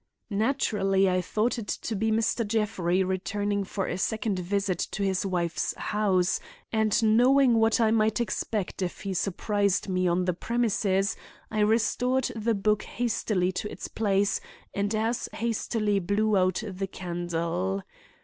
"Naturally I thought it to be Mr. Jeffrey returning for a second visit to his wife's house, and knowing what I might expect if he surprised me on the premises, I restored the book hastily to its place and as hastily blew out the candle.